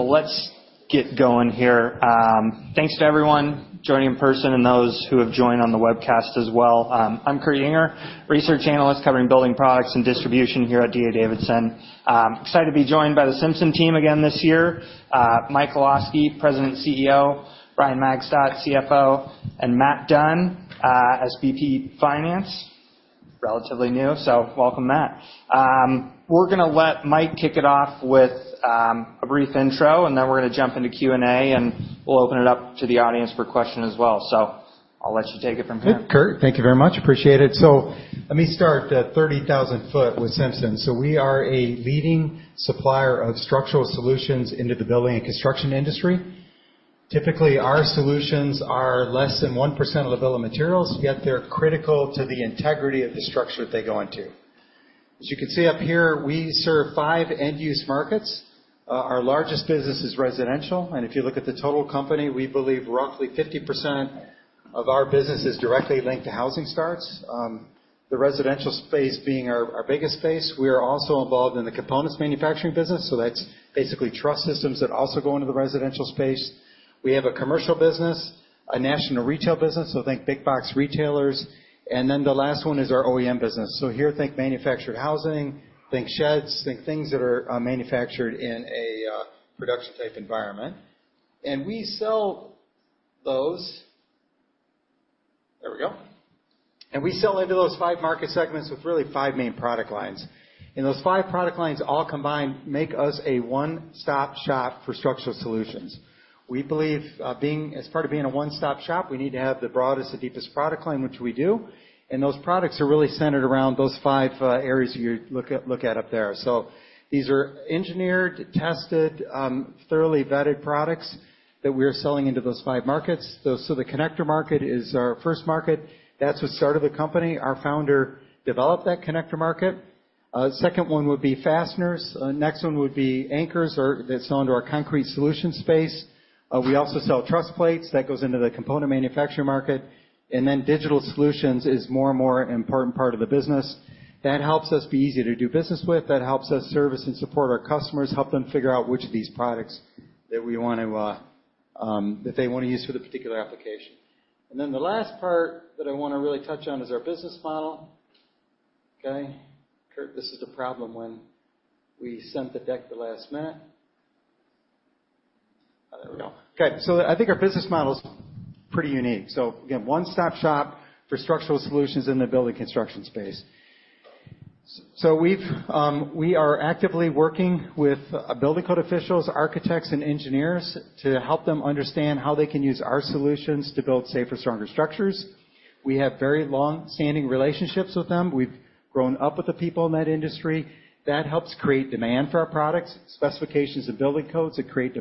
Let's get going here. Thanks to everyone joining in person and those who have joined on the webcast as well. I'm Kurt Yinger, Research Analyst covering building products and distribution here at D.A. Davidson. Excited to be joined by the Simpson team again this year. Mike Olosky, President, CEO, Brian Magstedt, CFO, and Matt Dunn, SVP Finance. Relatively new, so welcome, Matt. We're gonna let Mike kick it off with a brief intro, and then we're gonna jump into Q&A, and we'll open it up to the audience for questions as well. So I'll let you take it from here. Good, Kurt. Thank you very much. Appreciate it. So let me start at thirty thousand foot with Simpson. So we are a leading supplier of structural solutions into the building and construction industry. Typically, our solutions are less than 1% of the bill of materials, yet they're critical to the integrity of the structure that they go into. As you can see up here, we serve five end-use markets. Our largest business is residential, and if you look at the total company, we believe roughly 50% of our business is directly linked to housing starts. The residential space being our biggest space. We are also involved in the components manufacturing business, so that's basically truss systems that also go into the residential space. We have a commercial business, a national retail business, so think big box retailers, and then the last one is our OEM business, so here, think manufactured housing, think sheds, think things that are, manufactured in a production-type environment, and we sell those, and we sell into those five market segments with really five main product lines, and those five product lines all combined make us a one-stop shop for structural solutions. We believe, being, as part of being a one-stop shop, we need to have the broadest and deepest product line, which we do, and those products are really centered around those five areas you look at up there, so these are engineered, tested, thoroughly vetted products that we are selling into those five markets, so the connector market is our first market. That's what started the company. Our founder developed that connector market. Second one would be fasteners. Next one would be anchors, or that's onto our concrete solution space. We also sell truss plates that goes into the component manufacturing market. And then digital solutions is more and more important part of the business. That helps us be easier to do business with. That helps us service and support our customers, help them figure out which of these products that we want to, that they want to use for the particular application. And then the last part that I want to really touch on is our business model. Okay. Kurt, this is a problem when we sent the deck the last minute. There we go. Okay, so I think our business model is pretty unique. So again, one-stop shop for structural solutions in the building construction space. We are actively working with building code officials, architects, and engineers to help them understand how they can use our solutions to build safer, stronger structures. We have very long-standing relationships with them. We've grown up with the people in that industry. That helps create demand for our products, specifications and building codes that create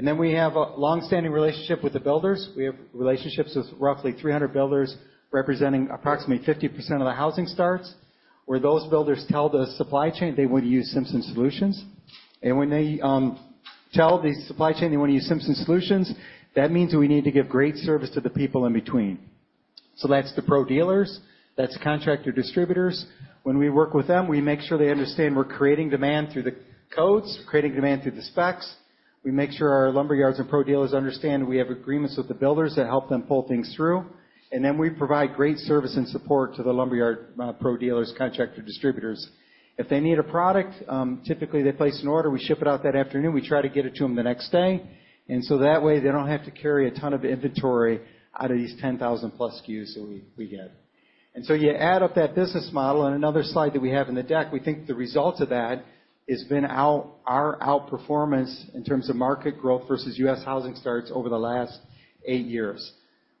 demand. And then we have a long-standing relationship with the builders. We have relationships with roughly 300 builders, representing approximately 50% of the housing starts, where those builders tell the supply chain they want to use Simpson Solutions. And when they tell the supply chain they want to use Simpson Solutions, that means we need to give great service to the people in between. So that's the pro dealers, that's contractor distributors. When we work with them, we make sure they understand we're creating demand through the codes, creating demand through the specs. We make sure our lumber yards and pro dealers understand we have agreements with the builders that help them pull things through, and then we provide great service and support to the lumberyard, pro dealers, contractor, distributors. If they need a product, typically, they place an order, we ship it out that afternoon. We try to get it to them the next day, and so that way, they don't have to carry a ton of inventory out of these 10,000-plus SKUs that we get. And so you add up that business model, and another slide that we have in the deck, we think the result of that has been our outperformance in terms of market growth versus U.S. housing starts over the last eight years.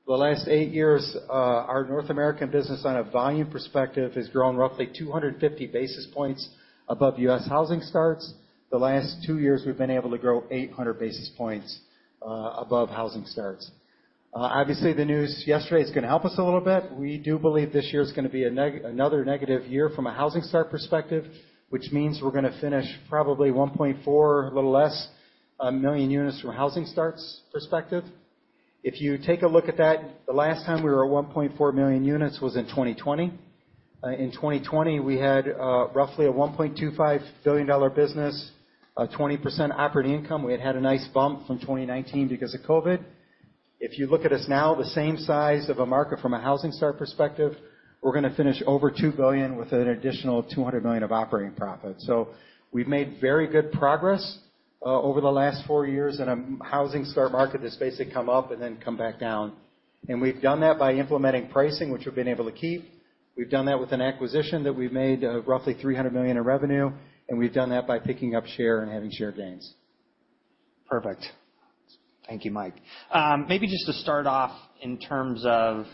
The last eight years, our North American business, on a volume perspective, has grown roughly 250 basis points above U.S. housing starts. The last two years, we've been able to grow 800 basis points above housing starts. Obviously, the news yesterday is gonna help us a little bit. We do believe this year is gonna be another negative year from a housing start perspective, which means we're gonna finish probably 1.4, a little less, million units from a housing starts perspective. If you take a look at that, the last time we were at 1.4 million units was in 2020. In 2020, we had roughly a $1.25 billion business, 20% operating income. We had had a nice bump from 2019 because of COVID. If you look at us now, the same size of a market from a housing start perspective, we're gonna finish over $2 billion with an additional $200 million of operating profit. So we've made very good progress over the last four years in a housing start market that's basically come up and then come back down. And we've done that by implementing pricing, which we've been able to keep. We've done that with an acquisition that we've made of roughly $300 million in revenue, and we've done that by picking up share and having share gains. Perfect. Thank you, Mike. Maybe just to start off in terms of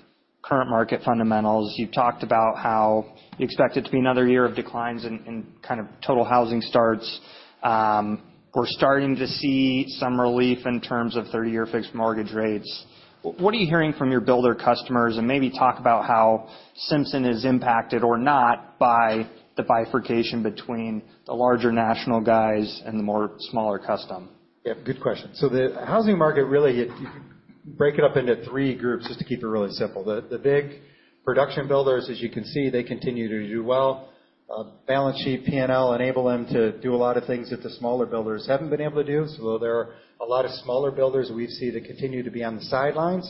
current market fundamentals, you talked about how you expect it to be another year of declines in kind of total housing starts. We're starting to see some relief in terms of thirty-year fixed mortgage rates. What are you hearing from your builder customers? And maybe talk about how Simpson is impacted or not by the bifurcation between the larger national guys and the more smaller custom. Yeah, good question. So the housing market, really. Break it up into three groups, just to keep it really simple. The big production builders, as you can see, they continue to do well. Balance sheet, P&L enable them to do a lot of things that the smaller builders haven't been able to do. So while there are a lot of smaller builders we see that continue to be on the sidelines,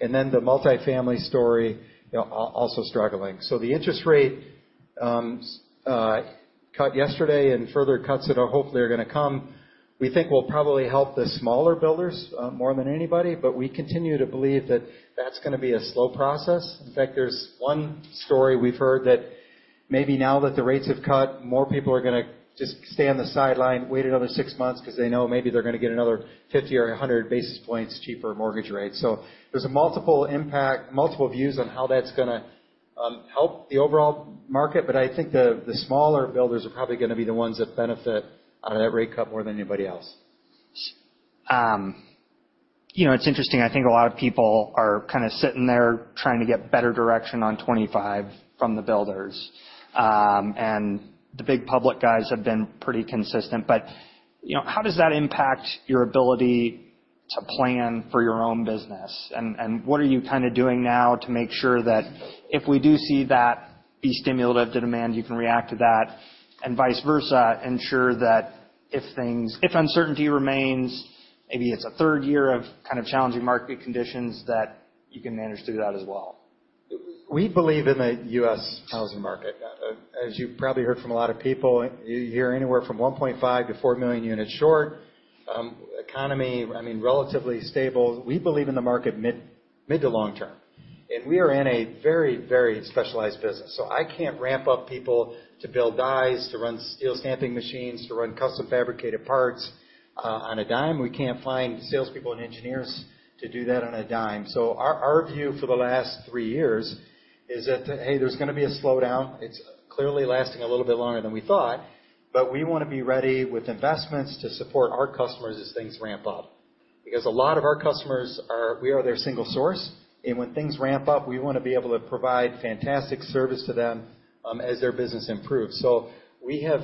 and then the multifamily story, you know, also struggling. So the interest rate cut yesterday and further cuts that are hopefully going to come, we think will probably help the smaller builders more than anybody, but we continue to believe that that's going to be a slow process. In fact, there's one story we've heard that maybe now that the rates have cut, more people are going to just stay on the sideline, wait another six months because they know maybe they're going to get another fifty or a hundred basis points cheaper mortgage rate. So there's a multiple impact, multiple views on how that's going to help the overall market, but I think the smaller builders are probably going to be the ones that benefit out of that rate cut more than anybody else. You know, it's interesting, I think a lot of people are kind of sitting there trying to get better direction on 2025 from the builders. And the big public guys have been pretty consistent, but, you know, how does that impact your ability to plan for your own business? And what are you kind of doing now to make sure that if we do see that be stimulative to demand, you can react to that, and vice versa, ensure that if things, if uncertainty remains, maybe it's a third year of kind of challenging market conditions, that you can manage through that as well? We believe in the U.S. housing market. As you've probably heard from a lot of people, you hear anywhere from 1.5-4 million units short. Economy, I mean, relatively stable. We believe in the market mid to long term, and we are in a very, very specialized business. So I can't ramp up people to build dies, to run steel stamping machines, to run custom fabricated parts on a dime. We can't find salespeople and engineers to do that on a dime. Our view for the last three years is that, hey, there's going to be a slowdown. It's clearly lasting a little bit longer than we thought, but we want to be ready with investments to support our customers as things ramp up. Because a lot of our customers are—we are their single source, and when things ramp up, we want to be able to provide fantastic service to them, as their business improves. So we have,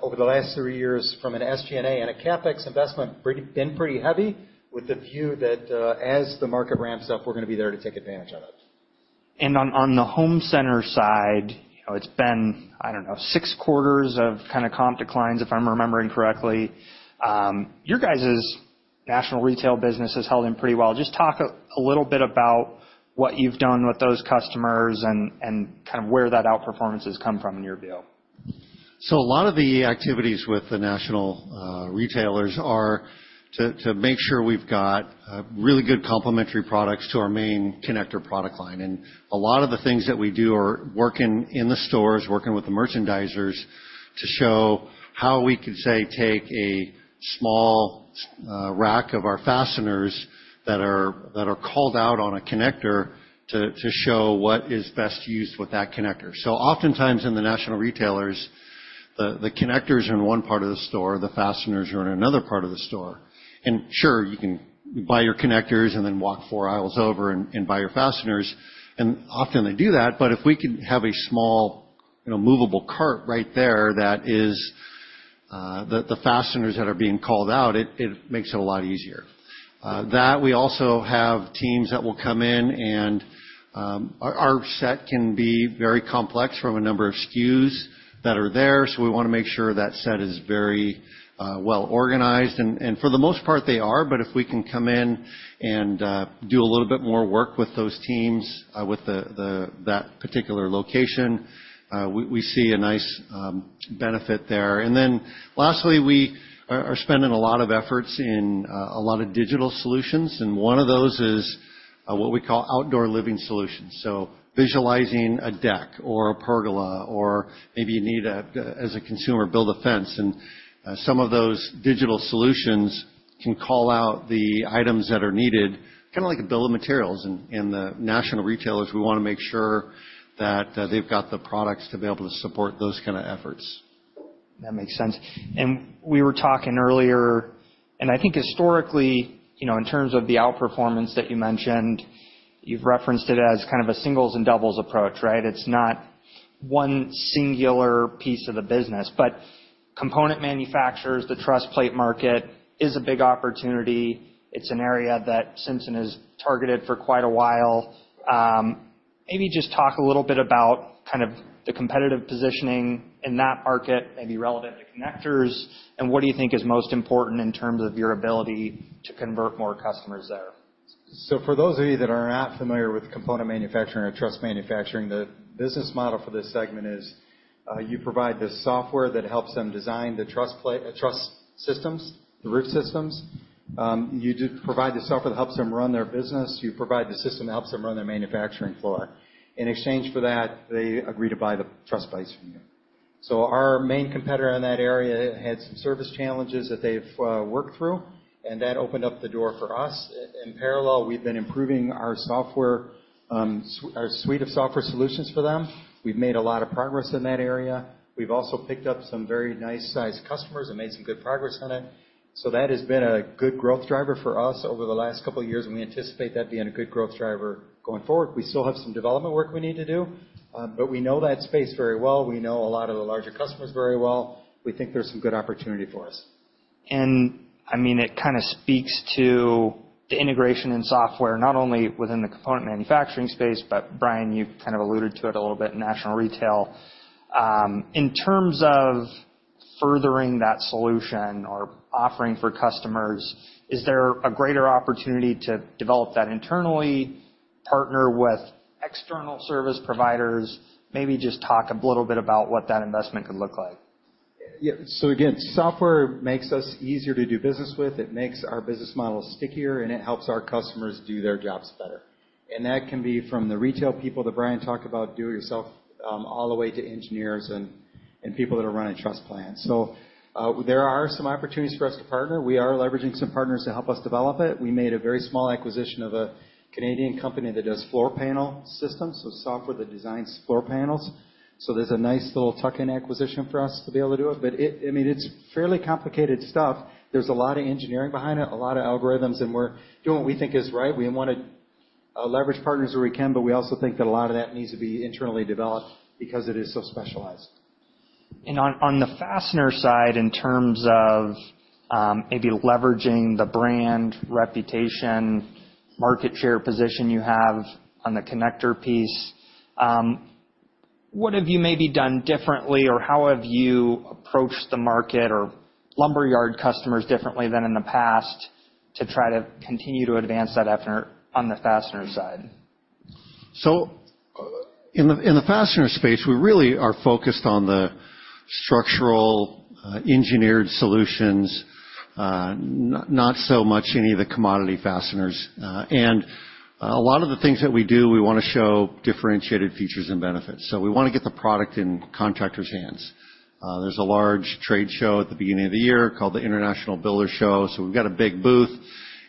over the last three years, from an SG&A and a CapEx investment, been pretty heavy with the view that, as the market ramps up, we're going to be there to take advantage of it. On the home center side, you know, it's been, I don't know, six quarters of kind of comp declines, if I'm remembering correctly. Your guys' national retail business is holding pretty well. Just talk a little bit about what you've done with those customers and kind of where that outperformance has come from in your view. So a lot of the activities with the national retailers are to make sure we've got really good complementary products to our main connector product line. And a lot of the things that we do are working in the stores, working with the merchandisers to show how we could, say, take a small rack of our fasteners that are called out on a connector to show what is best used with that connector. So oftentimes, in the national retailers, the connectors are in one part of the store, the fasteners are in another part of the store. And sure, you can buy your connectors and then walk four aisles over and buy your fasteners, and often they do that. But if we can have a small, you know, movable cart right there that is the fasteners that are being called out, it makes it a lot easier. That we also have teams that will come in and our set can be very complex from a number of SKUs that are there, so we want to make sure that set is very well organized. And for the most part, they are, but if we can come in and do a little bit more work with those teams with the that particular location, we see a nice benefit there. And then lastly, we are spending a lot of efforts in a lot of digital solutions, and one of those is what we call outdoor living solutions. Visualizing a deck or a pergola, or maybe you need, as a consumer, build a fence. Some of those digital solutions can call out the items that are needed, kind of like a bill of materials. And the national retailers, we want to make sure that they've got the products to be able to support those kind of efforts. That makes sense, and we were talking earlier, and I think historically, you know, in terms of the outperformance that you mentioned, you've referenced it as kind of a singles and doubles approach, right? It's not one singular piece of the business, but component manufacturers, the truss plate market, is a big opportunity. It's an area that Simpson has targeted for quite a while. Maybe just talk a little bit about kind of the competitive positioning in that market, maybe relevant to connectors, and what do you think is most important in terms of your ability to convert more customers there? So for those of you that are not familiar with component manufacturing or truss manufacturing, the business model for this segment is, you provide the software that helps them design the truss systems, the roof systems. You do provide the software that helps them run their business. You provide the system that helps them run their manufacturing floor. In exchange for that, they agree to buy the truss plates from you. So our main competitor in that area had some service challenges that they've worked through, and that opened up the door for us. In parallel, we've been improving our software, our suite of software solutions for them. We've made a lot of progress in that area. We've also picked up some very nice-sized customers and made some good progress on it. So that has been a good growth driver for us over the last couple of years, and we anticipate that being a good growth driver going forward. We still have some development work we need to do, but we know that space very well. We know a lot of the larger customers very well. We think there's some good opportunity for us.... And, I mean, it kind of speaks to the integration in software, not only within the component manufacturing space, but Brian, you kind of alluded to it a little bit, national retail. In terms of furthering that solution or offering for customers, is there a greater opportunity to develop that internally, partner with external service providers? Maybe just talk a little bit about what that investment could look like. Yeah. So again, software makes us easier to do business with. It makes our business model stickier, and it helps our customers do their jobs better. And that can be from the retail people that Brian talked about, do it yourself, all the way to engineers and people that are running truss plans. So there are some opportunities for us to partner. We are leveraging some partners to help us develop it. We made a very small acquisition of a Canadian company that does floor panel systems, so software that designs floor panels. So there's a nice little tuck-in acquisition for us to be able to do it, but it—I mean, it's fairly complicated stuff. There's a lot of engineering behind it, a lot of algorithms, and we're doing what we think is right. We want to leverage partners where we can, but we also think that a lot of that needs to be internally developed because it is so specialized. On the fastener side, in terms of maybe leveraging the brand, reputation, market share position you have on the connector piece, what have you maybe done differently, or how have you approached the market or lumberyard customers differently than in the past to try to continue to advance that effort on the fastener side? So, in the fastener space, we really are focused on the structural engineered solutions, not so much any of the commodity fasteners. And a lot of the things that we do, we want to show differentiated features and benefits. So we want to get the product in contractors' hands. There's a large trade show at the beginning of the year called the International Builders' Show. So we've got a big booth,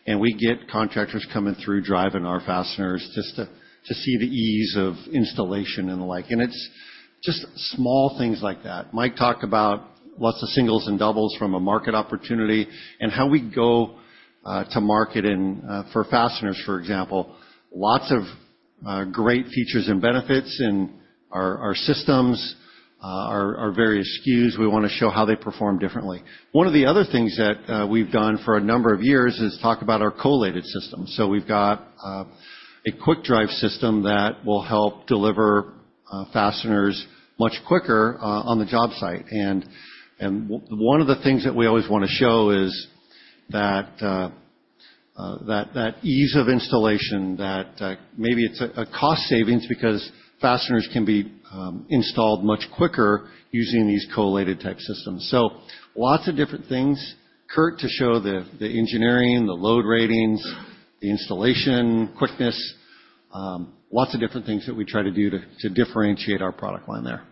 and we get contractors coming through, driving our fasteners just to see the ease of installation and the like. And it's just small things like that. Mike talked about lots of singles and doubles from a market opportunity and how we go to market and for fasteners, for example, lots of great features and benefits in our various SKUs. We want to show how they perform differently. One of the other things that we've done for a number of years is talk about our collated system. So we've got a quick drive system that will help deliver fasteners much quicker on the job site. And one of the things that we always want to show is that that ease of installation, that maybe it's a cost savings because fasteners can be installed much quicker using these collated type systems. So lots of different things. Kurt, to show the engineering, the load ratings, the installation quickness, lots of different things that we try to do to differentiate our product line there.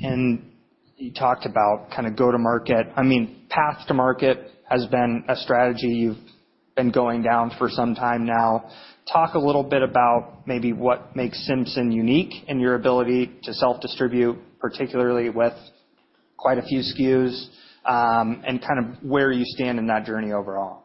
And you talked about kind of go-to-market. I mean, path to market has been a strategy you've been going down for some time now. Talk a little bit about maybe what makes Simpson unique in your ability to self-distribute, particularly with quite a few SKUs, and kind of where you stand in that journey overall.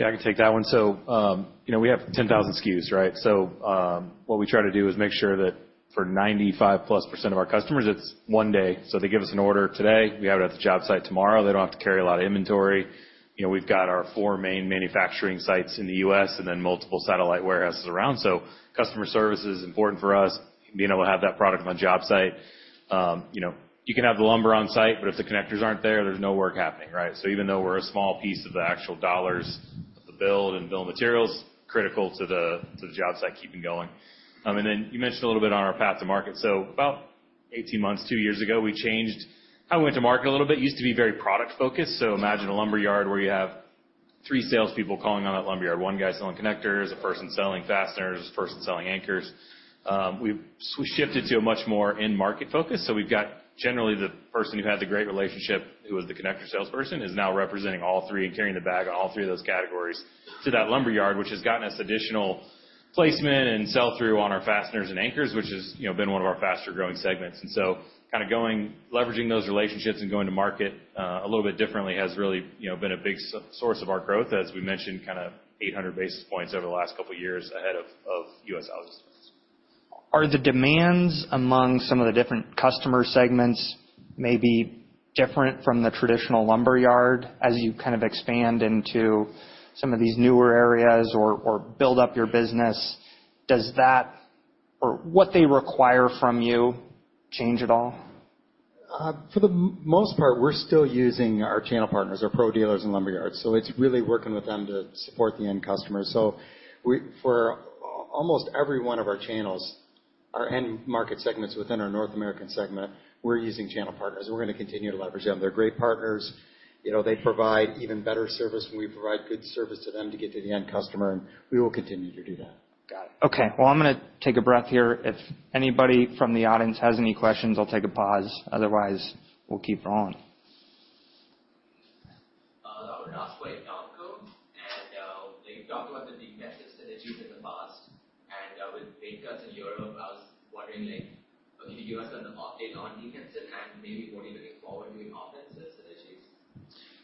Yeah, I can take that one. So, you know, we have 10,000 SKUs, right? So, what we try to do is make sure that for 95% plus of our customers, it's one day. So they give us an order today, we have it at the job site tomorrow. They don't have to carry a lot of inventory. You know, we've got our four main manufacturing sites in the U.S. and then multiple satellite warehouses around. So customer service is important for us, being able to have that product on job site. You know, you can have the lumber on site, but if the connectors aren't there, there's no work happening, right? So even though we're a small piece of the actual dollars of the build and build materials, critical to the job site keeping going. And then you mentioned a little bit on our path to market. So about eighteen months, two years ago, we changed how we went to market a little bit. It used to be very product-focused. So imagine a lumberyard where you have three salespeople calling on that lumberyard, one guy selling connectors, a person selling fasteners, a person selling anchors. We've shifted to a much more end market focus. So we've got generally the person who had the great relationship, who was the connector salesperson, is now representing all three and carrying the bag on all three of those categories to that lumberyard, which has gotten us additional placement and sell-through on our fasteners and anchors, which has, you know, been one of our faster-growing segments. And so kind of going... Leveraging those relationships and going to market a little bit differently has really, you know, been a big source of our growth, as we mentioned, kind of eight hundred basis points over the last couple of years ahead of U.S. housing starts. Are the demands among some of the different customer segments maybe different from the traditional lumberyard as you kind of expand into some of these newer areas or build up your business? Does that or what they require from you change at all? For the most part, we're still using our channel partners, our pro dealers, and lumberyards, so it's really working with them to support the end customer. So for almost every one of our channels, our end market segments within our North American segment, we're using channel partners. We're going to continue to leverage them. They're great partners. You know, they provide even better service, and we provide good service to them to get to the end customer, and we will continue to do that. Got it. Okay, well, I'm going to take a breath here. If anybody from the audience has any questions, I'll take a pause. Otherwise, we'll keep rolling. I want to ask where you come from, and, you talked about the defensive synergies in the past, and, with big cuts in Europe, I was wondering, like, can you give us an update on defensive and maybe more even looking forward to the offensive synergies?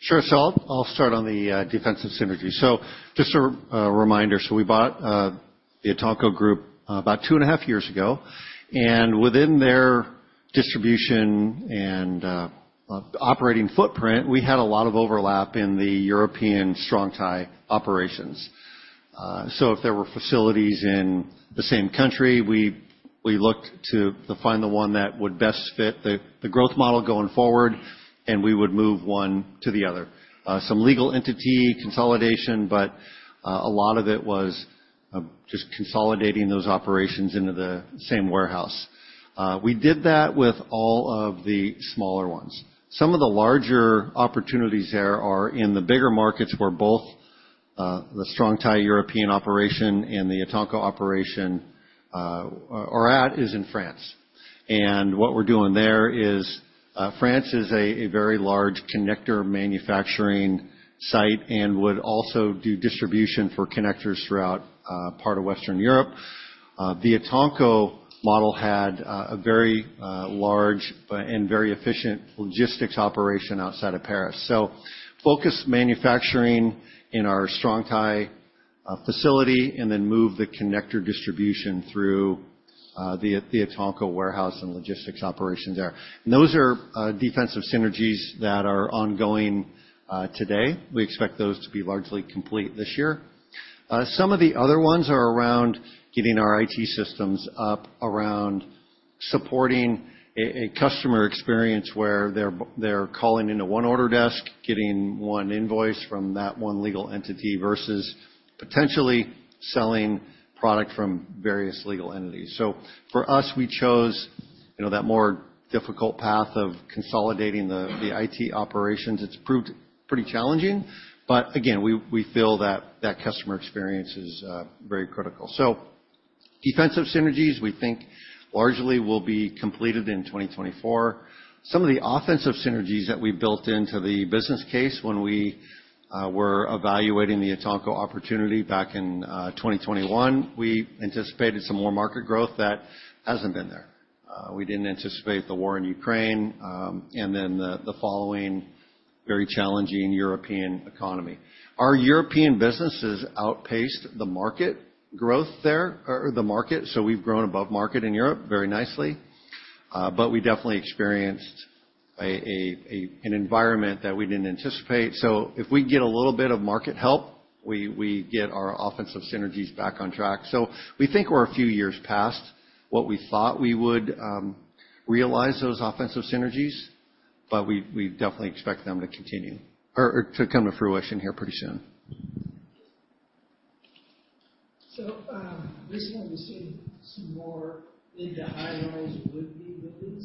Sure. So I'll, I'll start on the defensive synergy. So just a reminder, so we bought the Etanco Group about two and a half years ago, and within their distribution and operating footprint, we had a lot of overlap in the European Strong-Tie operations. So if there were facilities in the same country, we looked to find the one that would best fit the growth model going forward, and we would move one to the other. Some legal entity consolidation, but a lot of it was just consolidating those operations into the same warehouse. We did that with all of the smaller ones. Some of the larger opportunities there are in the bigger markets, where both the Strong-Tie European operation and the Etanco operation are at, is in France. What we're doing there is. France is a very large connector manufacturing site and would also do distribution for connectors throughout part of Western Europe. The Etanco model had a very large and very efficient logistics operation outside of Paris. Focus manufacturing in our Strong-Tie facility, and then move the connector distribution through the Etanco warehouse and logistics operation there. Those are defensive synergies that are ongoing today. We expect those to be largely complete this year. Some of the other ones are around getting our IT systems up, around supporting a customer experience where they're calling into one order desk, getting one invoice from that one legal entity, versus potentially selling product from various legal entities. So for us, we chose, you know, that more difficult path of consolidating the IT operations. It's proved pretty challenging, but again, we feel that customer experience is very critical. Defensive synergies, we think, largely will be completed in twenty twenty-four. Some of the offensive synergies that we built into the business case when we were evaluating the Etanco opportunity back in twenty twenty-one, we anticipated some more market growth that hasn't been there. We didn't anticipate the war in Ukraine, and then the following very challenging European economy. Our European businesses outpaced the market growth there, or the market, so we've grown above market in Europe very nicely, but we definitely experienced an environment that we didn't anticipate. So if we get a little bit of market help, we get our offensive synergies back on track. So we think we're a few years past what we thought we would realize those offensive synergies, but we definitely expect them to continue, or to come to fruition here pretty soon. Recently, we've seen some more into high levels of wood buildings. Is that a trend that is significant enough to benefit you?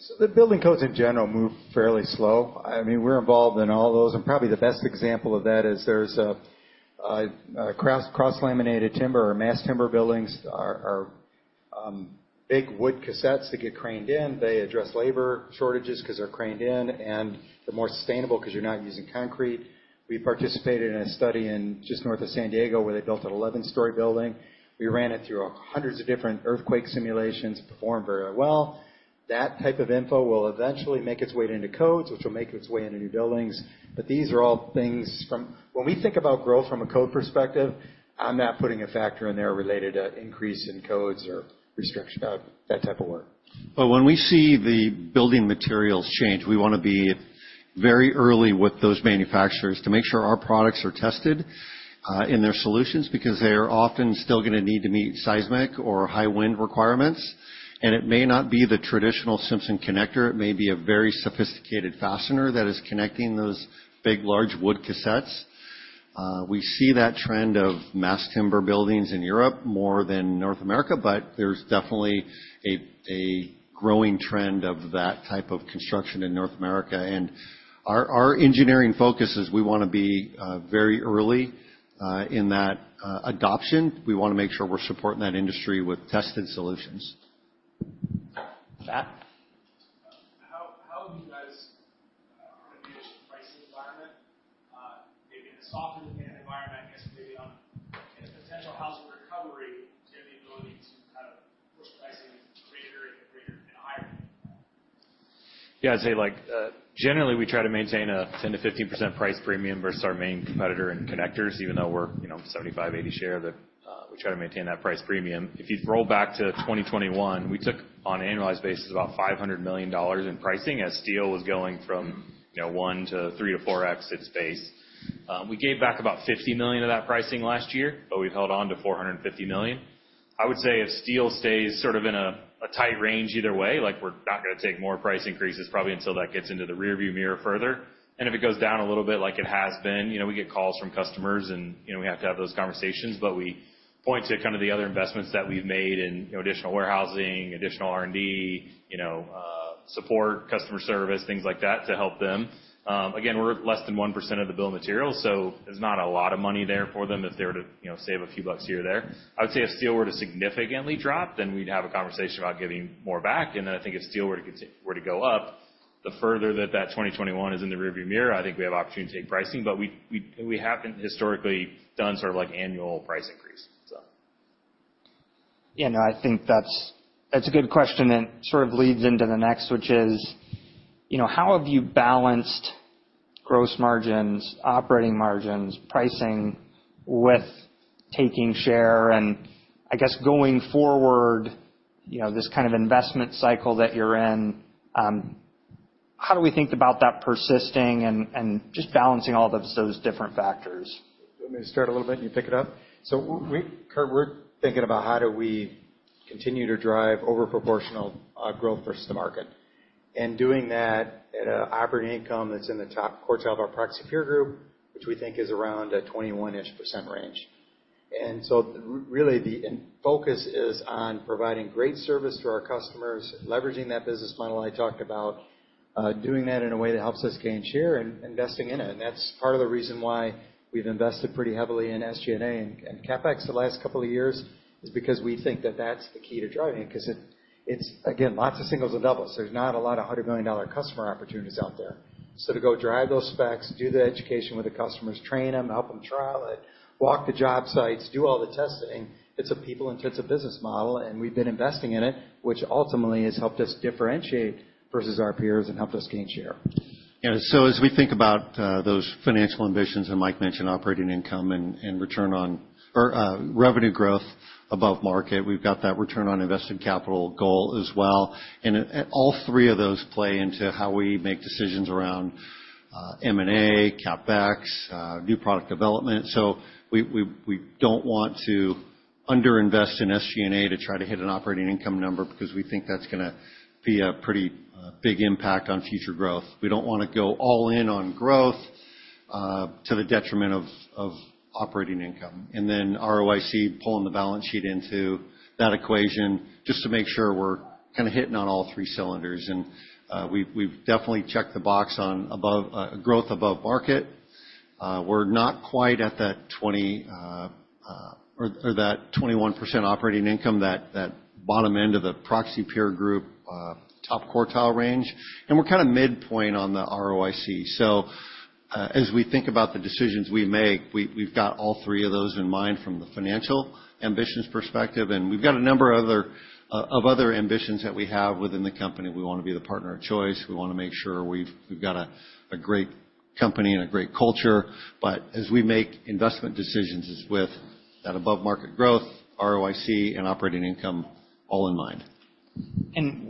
So the building codes, in general, move fairly slow. I mean, we're involved in all those, and probably the best example of that is there's a cross-laminated timber or mass timber buildings are big wood cassettes that get craned in. They address labor shortages because they're craned in, and they're more sustainable because you're not using concrete. We participated in a study in just north of San Diego, where they built an eleven-story building. We ran it through hundreds of different earthquake simulations, performed very well. That type of info will eventually make its way into codes, which will make its way into new buildings. But these are all things from... When we think about growth from a code perspective, I'm not putting a factor in there related to increase in codes or restriction, that type of work. But when we see the building materials change, we want to be very early with those manufacturers to make sure our products are tested in their solutions, because they are often still going to need to meet seismic or high wind requirements. And it may not be the traditional Simpson connector, it may be a very sophisticated fastener that is connecting those big, large wood cassettes. We see that trend of mass timber buildings in Europe more than North America, but there's definitely a growing trend of that type of construction in North America. And our engineering focus is we want to be very early in that adoption. We want to make sure we're supporting that industry with tested solutions. Matt? How have you guys managed the pricing environment? Maybe in a softer environment, I guess, maybe on a potential housing recovery to have the ability to kind of push pricing greater and greater and higher. Yeah, I'd say, like, generally, we try to maintain a 10%-15% price premium versus our main competitor in connectors, even though we're, you know, 75-80% share, that we try to maintain that price premium. If you roll back to 2021, we took, on an annualized basis, about $500 million in pricing as steel was going from, you know, 1 to 3 to 4X its base. We gave back about $50 million of that pricing last year, but we've held on to $450 million. I would say if steel stays sort of in a tight range either way, like, we're not going to take more price increases probably until that gets into the rearview mirror further. If it goes down a little bit like it has been, you know, we get calls from customers and, you know, we have to have those conversations, but we point to kind of the other investments that we've made in, you know, additional warehousing, additional R&D, you know, support, customer service, things like that, to help them. Again, we're less than 1% of the bill of materials, so there's not a lot of money there for them if they were to, you know, save a few bucks here or there. I would say if steel were to significantly drop, then we'd have a conversation about giving more back. And then I think if steel were to go up, the further that twenty twenty-one is in the rearview mirror, I think we have opportunity to take pricing, but we haven't historically done sort of like annual price increases, so.... You know, I think that's, that's a good question, and sort of leads into the next, which is, you know, how have you balanced gross margins, operating margins, pricing with taking share? And I guess, going forward, you know, this kind of investment cycle that you're in, how do we think about that persisting and, and just balancing all of those different factors? Let me start a little bit, and you pick it up? So we Kurt, we're thinking about how do we continue to drive over proportional growth versus the market, and doing that at an operating income that's in the top quartile of our proxy peer group, which we think is around a 21%-ish range. Really, the end focus is on providing great service to our customers, leveraging that business model I talked about, doing that in a way that helps us gain share and investing in it. And that's part of the reason why we've invested pretty heavily in SG&A and CapEx the last couple of years, is because we think that that's the key to driving it. 'Cause it, it's, again, lots of singles and doubles. There's not a lot of $100 million customer opportunities out there. So to go drive those specs, do the education with the customers, train them, help them trial it, walk the job sites, do all the testing, it's a people-intensive business model, and we've been investing in it, which ultimately has helped us differentiate versus our peers and helped us gain share. Yeah, so as we think about those financial ambitions, and Mike mentioned operating income and return on... Or revenue growth above market, we've got that return on invested capital goal as well. And all three of those play into how we make decisions around M&A, CapEx, new product development. So we don't want to underinvest in SG&A to try to hit an operating income number, because we think that's gonna be a pretty big impact on future growth. We don't wanna go all in on growth to the detriment of operating income. And then ROIC, pulling the balance sheet into that equation, just to make sure we're kinda hitting on all three cylinders. And we've definitely checked the box on above growth above market. We're not quite at that 20% or that 21% operating income, that bottom end of the proxy peer group top quartile range, and we're kinda midpoint on the ROIC. So, as we think about the decisions we make, we've got all three of those in mind from the financial ambitions perspective, and we've got a number of other ambitions that we have within the company. We wanna be the partner of choice. We wanna make sure we've got a great company and a great culture. But as we make investment decisions, it's with that above-market growth, ROIC, and operating income all in mind. And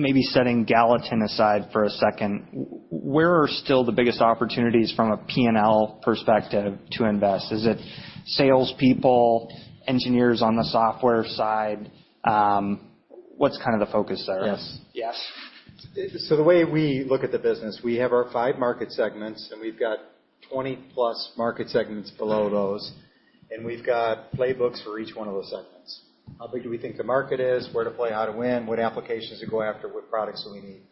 maybe setting Gallatin aside for a second, where are still the biggest opportunities from a P&L perspective to invest? Is it salespeople, engineers on the software side? What's kind of the focus there? Yes. Yes. So the way we look at the business, we have our five market segments, and we've got twenty-plus market segments below those, and we've got playbooks for each one of those segments. How big do we think the market is? Where to play, how to win, what applications to go after, what products do we need?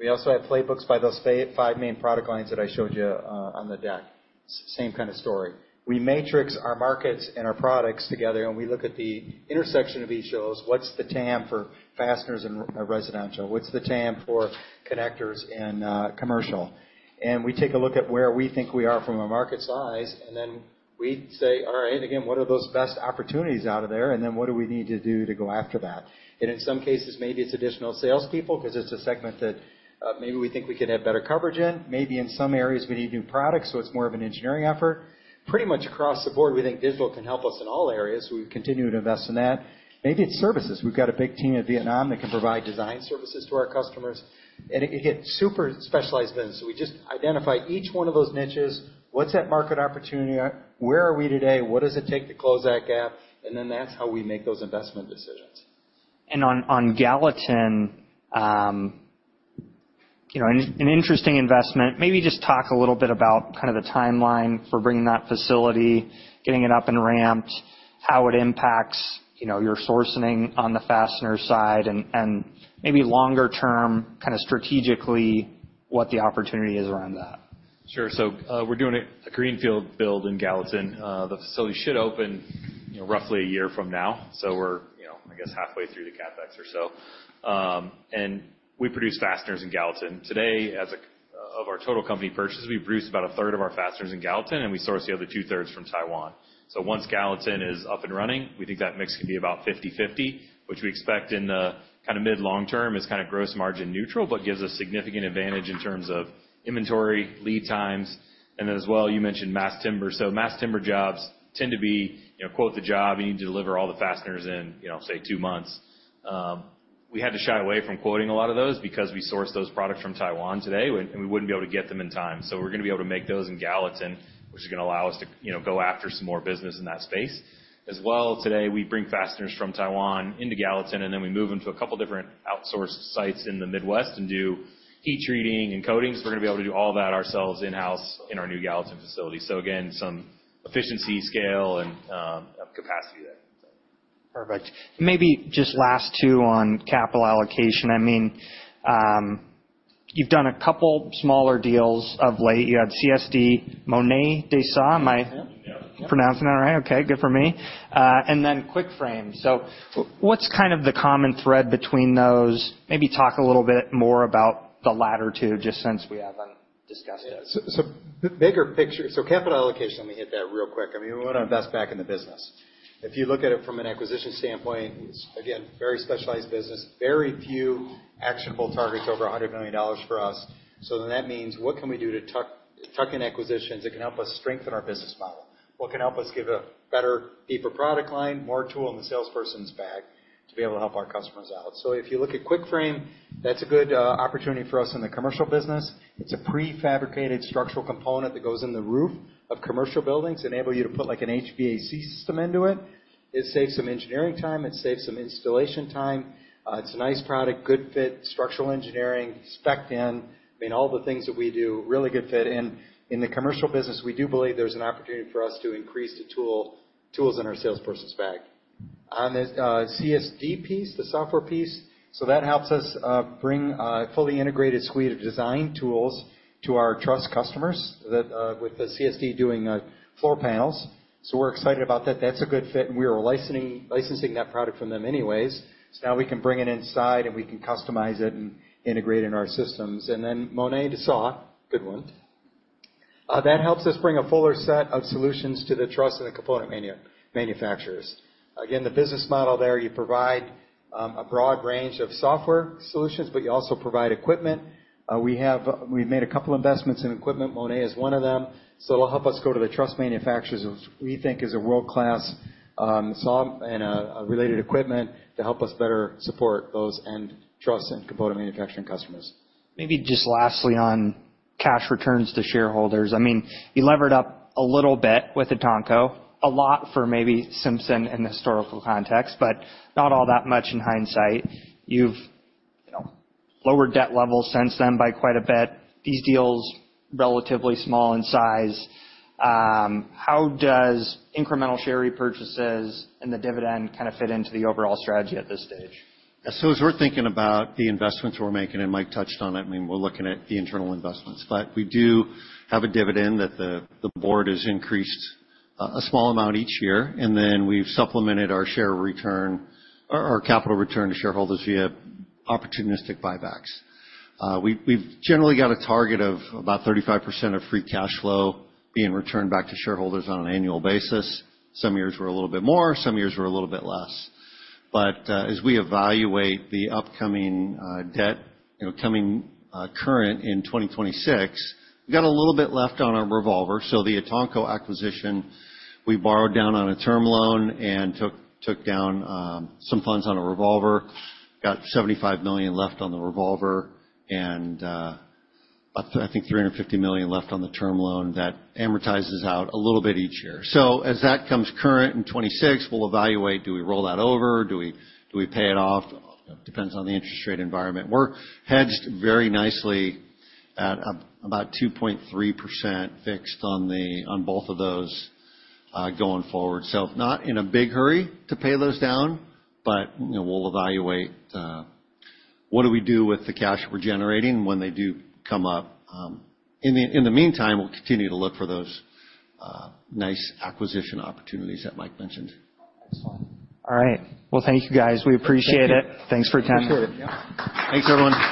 We also have playbooks by those five main product lines that I showed you on the deck. Same kind of story. We matrix our markets and our products together, and we look at the intersection of each of those. What's the TAM for fasteners in residential? What's the TAM for connectors in commercial? We take a look at where we think we are from a market size, and then we say, "All right, again, what are those best opportunities out of there, and then what do we need to do to go after that?" In some cases, maybe it's additional salespeople, 'cause it's a segment that, maybe we think we could have better coverage in. Maybe in some areas, we need new products, so it's more of an engineering effort. Pretty much across the board, we think digital can help us in all areas, so we continue to invest in that. Maybe it's services. We've got a big team in Vietnam that can provide design services to our customers, and it can get super specialized then. We just identify each one of those niches. What's that market opportunity? Where are we today? What does it take to close that gap? And then that's how we make those investment decisions. And on Gallatin, you know, an interesting investment. Maybe just talk a little bit about kind of the timeline for bringing that facility, getting it up and ramped, how it impacts, you know, your sourcing on the fastener side, and maybe longer term, kind of strategically, what the opportunity is around that. Sure. So, we're doing a greenfield build in Gallatin. The facility should open, you know, roughly a year from now. So we're, you know, I guess, halfway through the CapEx or so. And we produce fasteners in Gallatin. Today, of our total company purchases, we produce about a third of our fasteners in Gallatin, and we source the other two-thirds from Taiwan. So once Gallatin is up and running, we think that mix can be about fifty/fifty, which we expect in the kinda mid, long term, is kinda gross margin neutral, but gives us significant advantage in terms of inventory, lead times, and then, as well, you mentioned mass timber. So mass timber jobs tend to be, you know, quote the job, you need to deliver all the fasteners in, you know, say, two months. We had to shy away from quoting a lot of those because we source those products from Taiwan today, and we wouldn't be able to get them in time. So we're gonna be able to make those in Gallatin, which is gonna allow us to, you know, go after some more business in that space. As well, today, we bring fasteners from Taiwan into Gallatin, and then we move them to a couple different outsourced sites in the Midwest and do heat treating and coatings. We're gonna be able to do all that ourselves in-house in our new Gallatin facility. So again, some efficiency, scale, and capacity there. Perfect. Maybe just last two on capital allocation. I mean, you've done a couple smaller deals of late. You had CSD, Monet De Sauw, am I- Yeah. Pronouncing that right? Okay, good for me. And then QuickFrames. So what's kind of the common thread between those? Maybe talk a little bit more about the latter two, just since we have them.... So, the bigger picture, so capital allocation, let me hit that real quick. I mean, we want to invest back in the business. If you look at it from an acquisition standpoint, it's, again, very specialized business, very few actionable targets over $100 million for us. So then that means what can we do to tuck-in acquisitions that can help us strengthen our business model? What can help us give a better, deeper product line, more tool in the salesperson's bag to be able to help our customers out? So if you look at QuickFrames, that's a good opportunity for us in the commercial business. It's a prefabricated structural component that goes in the roof of commercial buildings, enable you to put, like, an HVAC system into it. It saves some engineering time. It saves some installation time. It's a nice product, good fit, structural engineering, spec'd in. I mean, all the things that we do, really good fit in. In the commercial business, we do believe there's an opportunity for us to increase the tools in our salesperson's bag. On the CSD piece, the software piece, so that helps us bring a fully integrated suite of design tools to our truss customers, that with the CSD doing floor panels. So we're excited about that. That's a good fit, and we are licensing that product from them anyways. So now we can bring it inside, and we can customize it and integrate in our systems. And then Monet DeSauw, good one. That helps us bring a fuller set of solutions to the truss and the component manufacturers. Again, the business model there, you provide a broad range of software solutions, but you also provide equipment. We've made a couple investments in equipment. Monet is one of them, so it'll help us go to the truss manufacturers, which we think is a world-class saw and related equipment to help us better support those end trusses and component manufacturing customers. Maybe just lastly, on cash returns to shareholders. I mean, you levered up a little bit with the Etanco, a lot for maybe Simpson in the historical context, but not all that much in hindsight. You've, you know, lowered debt levels since then by quite a bit. These deals, relatively small in size. How does incremental share repurchases and the dividend kind of fit into the overall strategy at this stage? So as we're thinking about the investments we're making, and Mike touched on it, I mean, we're looking at the internal investments. But we do have a dividend that the board has increased a small amount each year, and then we've supplemented our share return or our capital return to shareholders via opportunistic buybacks. We've generally got a target of about 35% of free cash flow being returned back to shareholders on an annual basis. Some years we're a little bit more, some years we're a little bit less. But as we evaluate the upcoming debt, you know, coming current in 2026, we've got a little bit left on our revolver. So the Tonko acquisition, we borrowed down on a term loan and took down some funds on a revolver, got $75 million left on the revolver and up to, I think, $350 million left on the term loan. That amortizes out a little bit each year. As that comes current in 2026, we'll evaluate, do we roll that over? Do we pay it off? Depends on the interest rate environment. We're hedged very nicely at about 2.3% fixed on both of those going forward. Not in a big hurry to pay those down, but, you know, we'll evaluate what do we do with the cash we're generating when they do come up. In the meantime, we'll continue to look for those nice acquisition opportunities that Mike mentioned. Excellent. All right. Well, thank you, guys. We appreciate it. Thank you. Thanks for your time. Appreciate it. Thanks, everyone.